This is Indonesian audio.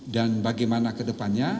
dan bagaimana ke depannya